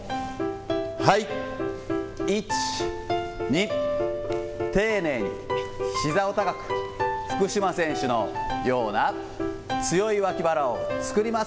はい、１、２、丁寧に、ひざを高く、福島選手のような強い脇腹を作ります。